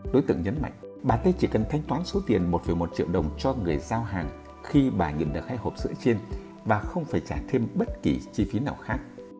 đối tượng nhấn mạnh bà tê chỉ cần thanh toán số tiền một một triệu đồng cho người giao hàng khi bà nhận được hai hộp sữa trên và không phải trả thêm bất kỳ chi phí nào khác